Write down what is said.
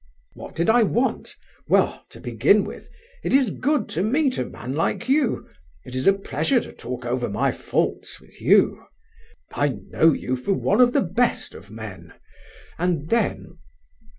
"What did I want? Well, to begin with, it is good to meet a man like you. It is a pleasure to talk over my faults with you. I know you for one of the best of men... and then...